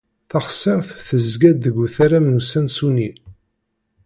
Taɣsert tezga-d deg utaram n usensu-nni.